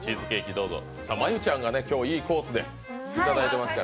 真悠ちゃんが今日、いいコースでいただいていますから。